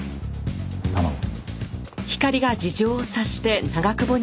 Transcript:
頼む。